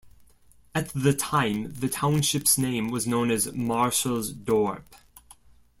At the time, the townships name was known as Marshall's Dorp.